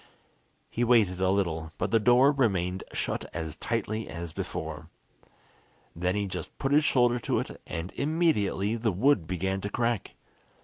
He waited a little, but the door remained shut as tightly as before. Then he just put his shoulder to it, and immediately the wood began to crack.